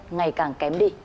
ngày càng kém đi